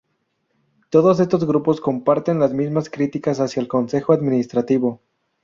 Todos estos grupos comparten las mismas críticas hacia el consejo administrativo.